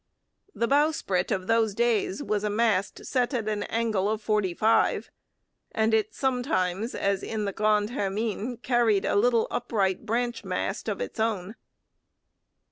The bowsprit of those days was a mast set at an angle of forty five; and it sometimes, as in the Grande Hermine, carried a little upright branch mast of its own.